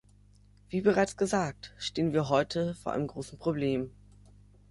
Wie bereits gesagt, stehen wir heute vor einem großen Problem.